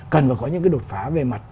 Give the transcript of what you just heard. cần phải có những cái đột phá về mặt